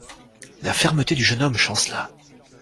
La fermeté du jeune homme chancela.